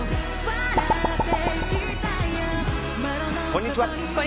こんにちは。